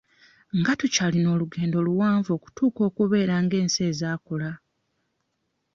Nga tukyalina olugendo luwanvu okutuuka okubeera ng'ensi ezaakula?